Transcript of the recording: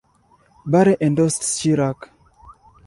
Barre endorsed Chirac.